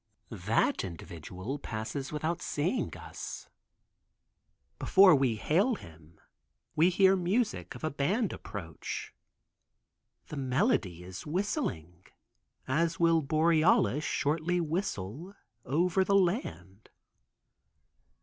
That individual passes without seeing us. Before we hail him, we hear music of a band approach. The melody is whistling as will Boreas shortly whistle over the land.